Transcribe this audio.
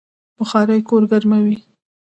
بخارۍ کور ګرموي